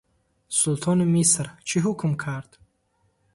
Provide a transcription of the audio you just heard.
Султони Миср чӣ ҳукм кард?